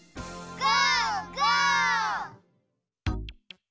ゴー！